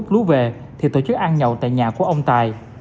lúc về thì tổ chức ăn nhậu tại nhà của ông tài